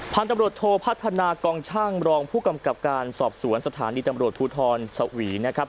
พันธุ์ตำรวจโทพัฒนากองช่างรองผู้กำกับการสอบสวนสถานีตำรวจภูทรสวีนะครับ